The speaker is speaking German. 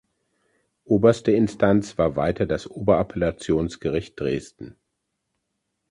Oberste Instanz war weiter das Oberappellationsgericht Dresden.